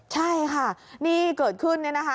ใช่ค่ะนี่เกิดขึ้นนะฮะ